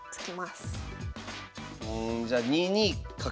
うんじゃあ２二角。